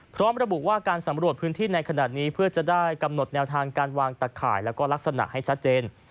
พร้อมระบุว่าการสำรวจพื้นที่ในขณะนี้เพื่อจะได้กำหนดแนวทางการวางตะข่ายแล้วก็ลักษณะให้ชัดเจน